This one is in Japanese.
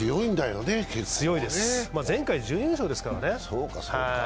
強いです、前回準優勝ですからね。